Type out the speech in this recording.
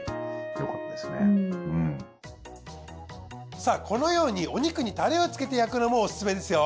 さあこのようにお肉にタレをつけて焼くのもオススメですよ。